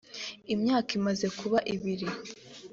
imyaka imaze kuba ibiri